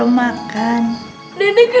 lokasi yang selalu menghibur